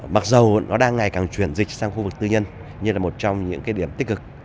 mặc dù nó đang ngày càng chuyển dịch sang khu vực tư nhân như là một trong những cái điểm tích cực